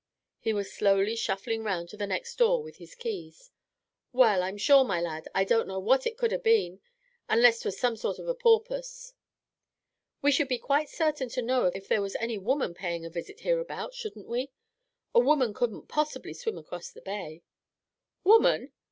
He was slowly shuffling round to the next door with his keys. "Well, I'm sure, my lad, I don't know what it could ha' been, unless 'twas some sort of a porpoise." "We should be quite certain to know if there was any woman paying a visit hereabout, shouldn't we? A woman couldn't possibly swim across the bay." "Woman!"